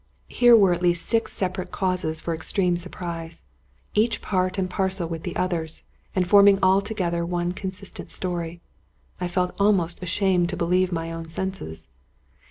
Here were at least six separate causes for extreme surprise; each part and parcel with the others, and forming all together one consistent story. I felt almost ashamed to believe my own senses.